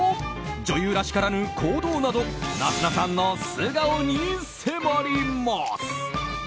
女優らしからぬ行動など夏菜さんの素顔に迫ります。